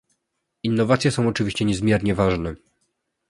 Innowacje są oczywiście niezmiernie ważne